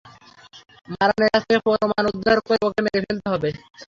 মারানের কাছ থেকে প্রমাণ উদ্ধার করে ওকে মেরে ফেলতে হবে!